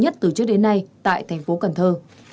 trước đến nay tại thành phố cần thơ